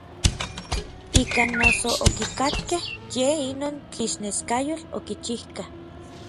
Ikan noso okikakkej yej inon tlixneskayotl okichijka.